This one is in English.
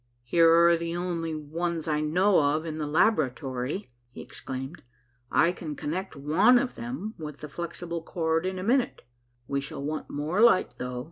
"Here are the only ones I know of, in the laboratory," he exclaimed. "I can connect one of them with the flexible cord in a minute. We shall want more light, though.